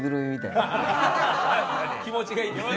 気持ちがいいんですね。